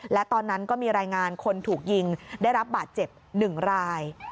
และตอนนั้นก็มีรายงานคนถูกยิงได้รับบาดเจ็บ๑ราย